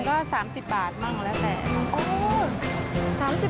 ข้อชอบก็๓๐บาทมั่งแล้วแต่